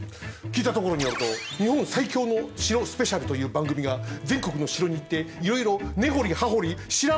聞いたところによると「日本最強の城スペシャル」という番組が全国の城に行っていろいろ根掘り葉掘り調べているそうじゃないか。